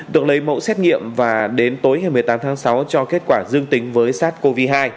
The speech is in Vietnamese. được lấy mẫu xét nghiệm và đến tối ngày một mươi tám tháng sáu cho kết quả dương tính với sars cov hai